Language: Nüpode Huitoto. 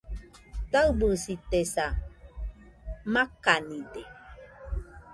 Taɨbɨsitesa , makanide